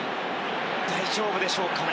大丈夫でしょうかね？